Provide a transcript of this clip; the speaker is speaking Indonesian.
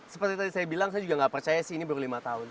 seperti tadi saya bilang saya juga nggak percaya sih ini baru lima tahun